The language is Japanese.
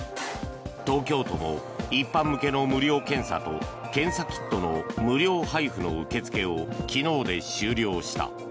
東京都も一般向けの無料検査と検査キットの無料配布の受け付けを昨日で終了した。